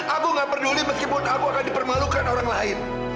aku gak peduli meskipun aku akan dipermalukan orang lain